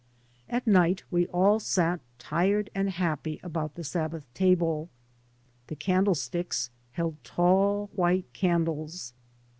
At night we all sat tired and happy about the Sabbath table. The candle sticks held tall white candles.